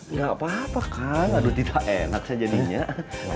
nggak apa apa kan aduh tidak enak sejadinya